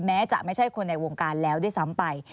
แม้จะไม่ใช่คนในวงการแล้วด้วยซ้ำไป